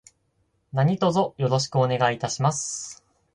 何卒よろしくお願いいたします。